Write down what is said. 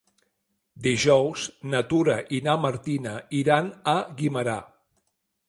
Dijous na Tura i na Martina iran a Guimerà.